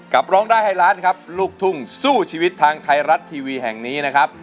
ร้องได้ให้ล้านครับลูกทุ่งสู้ชีวิตทางไทยรัฐทีวีแห่งนี้นะครับ